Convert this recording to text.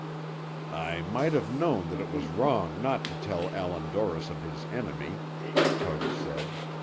"I might have known that it was wrong not to tell Allan Dorris of this enemy," Tug said.